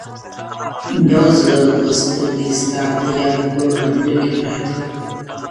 يو زړه دوې سترگي ستا د ياد په هديره كي پراته ـ